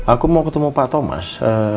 aku mau ketemu pak thomas